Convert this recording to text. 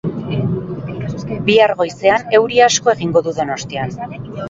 Bihar goizean euri asko egingo du Donostian